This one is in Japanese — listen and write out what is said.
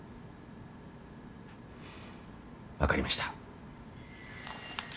分かりました。